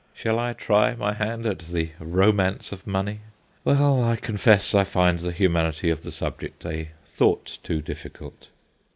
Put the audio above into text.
Shall I try my hand at the romance of money ? Well, I confess I find the humanity of the subject a thought too difficult.